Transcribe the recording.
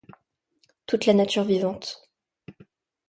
Toute la nature vivante